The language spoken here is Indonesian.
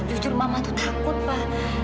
jujur mama tuh takut pak